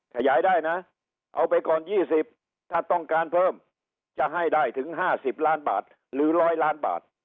ขยายได้นะเอาไปก่อน๒๐ถ้าต้องการเพิ่มจะให้ได้ถึง๕๐ล้านบาทหรือ๑๐๐ล้านบาท